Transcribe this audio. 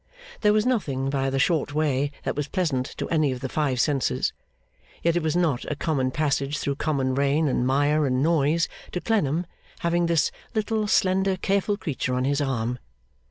There was nothing, by the short way, that was pleasant to any of the five senses. Yet it was not a common passage through common rain, and mire, and noise, to Clennam, having this little, slender, careful creature on his arm.